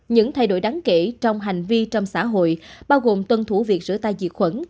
những thay đổi đáng kể trong hành vi trong xã hội bao gồm tuân thủ việc rửa tay diệt khuẩn